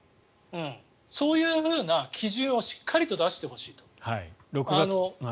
そういうふうな基準をしっかりと出してほしい。